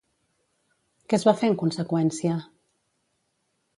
Què es va fer en conseqüència?